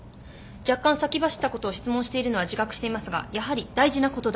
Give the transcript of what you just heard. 若干先走ったことを質問しているのは自覚していますがやはり大事なことだと思うので。